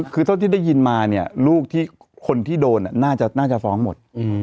คือเท่าที่ได้ยินมาเนี่ยลูกที่คนที่โดนน่าจะฟ้องหมด